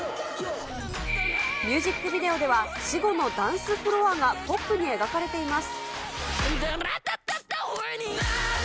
ミュージックビデオでは、死後のダンスフロアがポップに描かれています。